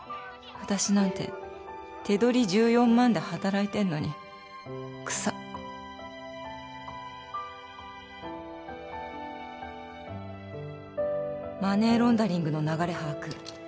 「私なんて手取り１４万で働いてんのに草」「マネーロンダリングの流れ把握」